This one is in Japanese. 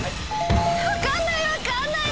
分かんない！分かんない！